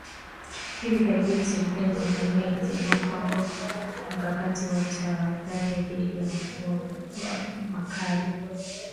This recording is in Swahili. Hivi karibuni Serikali ya Tanzania ilizindua Mpango Mkakati wa Tahadhari Dhidi ya Mafua Makali